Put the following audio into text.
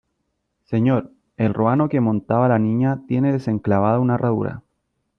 señor , el ruano que montaba la Niña tiene desenclavada una herradura ...